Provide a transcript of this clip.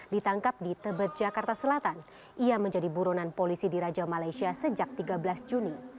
ditangkap di tebet jakarta selatan ia menjadi buronan polisi di raja malaysia sejak tiga belas juni